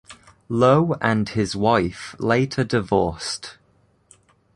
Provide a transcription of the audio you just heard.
Lo and his wife later divorced.